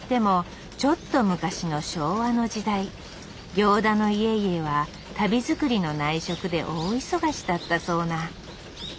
行田の家々は足袋作りの内職で大忙しだったそうな。